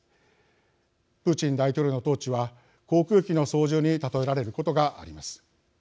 プーチン大統領の統治は航空機の操縦に例えられることがあります。